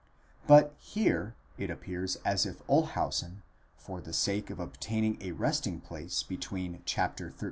® But, here, it appears as if Olshausen, for the sake of obtaining a resting place between xiii.